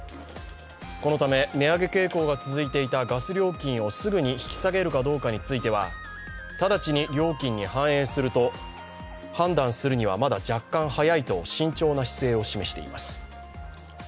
このため値上げ傾向が続いていたガス料金をすぐに引き下げるかどうかについては直ちに料金に反映すると判断するにはまだ若干早いと慎重な姿勢を示しています。